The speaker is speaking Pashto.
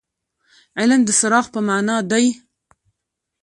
علم د څراغ په معنا دي.